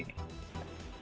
dan melakukan evaluasi